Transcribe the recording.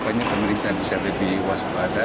poi pemerintahan bisa lebih wasada